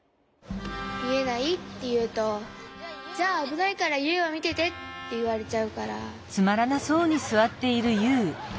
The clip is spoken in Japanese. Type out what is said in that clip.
みえないっていうと「じゃあぶないからユウはみてて」っていわれちゃうから。